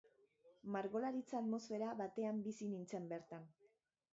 Margolaritza atmosfera batean bizi nintzen bertan.